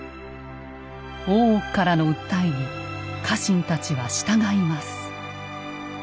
大奥からの訴えに家臣たちは従います。